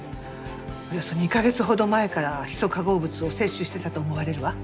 およそ２カ月ほど前からヒ素化合物を摂取してたと思われるわ。